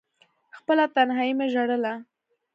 خپله تنهايي مې ژړله…